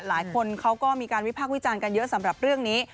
หลายคนเขาก็มีการวิพากษ์วิจารณ์กันเยอะสำหรับเรื่องนี้